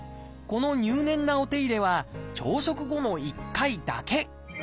この入念なお手入れは朝食後の１回だけ。